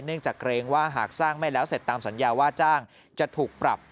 จากเกรงว่าหากสร้างไม่แล้วเสร็จตามสัญญาว่าจ้างจะถูกปรับ